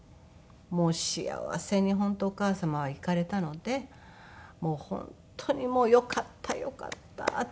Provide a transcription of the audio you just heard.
「幸せに本当お母様は逝かれたので本当によかったよかった」って。